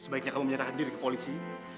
sebaiknya kamu menyerahkan diri ke polisi